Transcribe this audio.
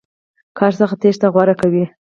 کار څخه تېښته غوره کوي.